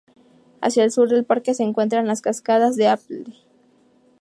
Hacia el sur del parque se encuentran las Cascadas de Apsley.